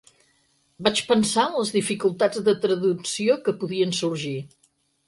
Vaig pensar en les dificultats de traducció que podien sorgir.